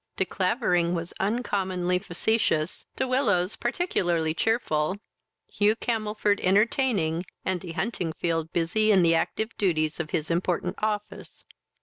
De Clavering was uncommonly facetious, De Willows particularly cheerful, Hugh Camelford entertaining, and De Huntingfield busy in the active duties of his important office.